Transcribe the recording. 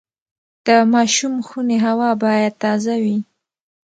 د ماشوم خونې هوا باید تازه وي۔